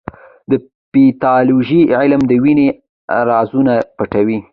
د پیتالوژي علم د وینې رازونه پټوي.